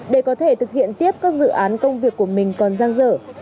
để có thể thực hiện tiếp các dự án công việc của mình còn giang dở